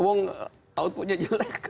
kalau punya jelek